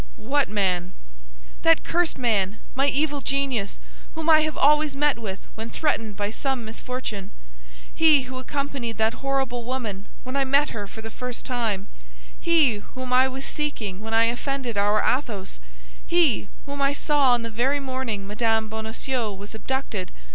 "What man?" "That cursed man, my evil genius, whom I have always met with when threatened by some misfortune, he who accompanied that horrible woman when I met her for the first time, he whom I was seeking when I offended our Athos, he whom I saw on the very morning Madame Bonacieux was abducted.